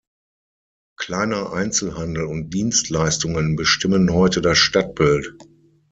Kleiner Einzelhandel und Dienstleistungen bestimmen heute das Stadtbild.